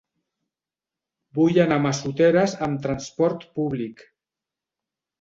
Vull anar a Massoteres amb trasport públic.